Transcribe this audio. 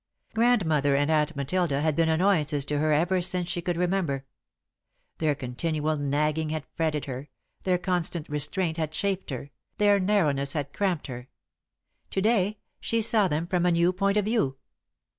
Grandmother and Aunt Matilda had been annoyances to her ever since she could remember. Their continual nagging had fretted her, their constant restraint had chafed her, their narrowness had cramped her. To day she saw them from a new point of view.